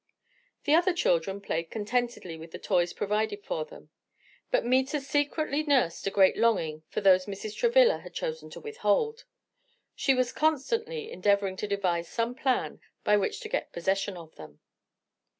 The other children played contentedly with the toys provided for them; but Meta secretly nursed a great longing for those Mrs. Travilla had chosen to withhold; and was constantly endeavoring to devise some plan by which to get possession of them.